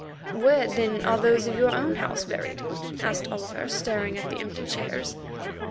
"Where, then, are those of your own house buried?" asked Oliver, staring at the empty chairs.